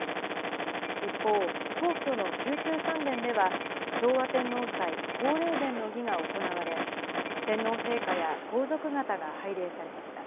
一方、皇居の宮中三殿では、昭和天皇祭皇霊殿の儀が行われ、天皇陛下や皇族方が拝礼されました。